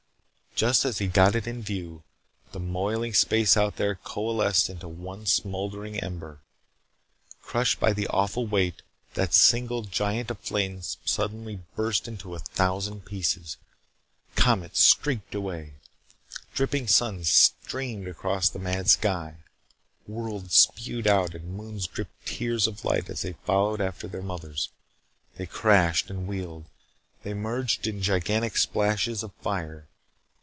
Just as he got it in view, the moiling space out there coalesced into one smoldering ember. Crushed by the awful weight, that single giant of flame suddenly burst into a thousand pieces. Comets streaked away. Dripping suns streamed across the mad sky. Worlds spewed out and moons dripped tears of light as they followed after their mothers. They crashed and wheeled. They merged in gigantic splashes of fire.